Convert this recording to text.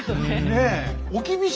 ねえ？